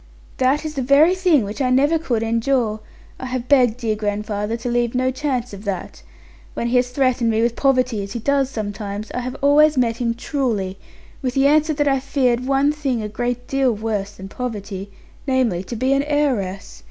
'That is the very thing which I never could endure. I have begged dear grandfather to leave no chance of that. When he has threatened me with poverty, as he does sometimes, I have always met him truly, with the answer that I feared one thing a great deal worse than poverty; namely, to be an heiress.